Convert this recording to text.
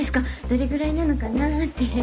どれぐらいなのかなって。